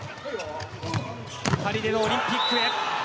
パリへのオリンピックへ。